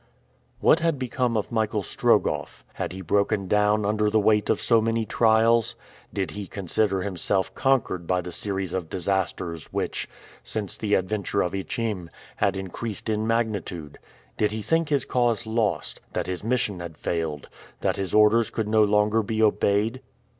What had become of Michael Strogoff? Had he broken down under the weight of so many trials? Did he consider himself conquered by the series of disasters which, since the adventure of Ichim, had increased in magnitude? Did he think his cause lost? that his mission had failed? that his orders could no longer be obeyed?